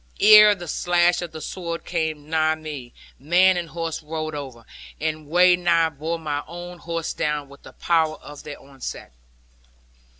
Ere the slash of the sword came nigh me, man and horse rolled over, and wellnigh bore my own horse down, with the power of their onset.